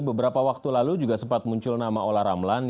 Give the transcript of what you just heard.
beberapa waktu lalu juga sempat muncul nama ola ramlan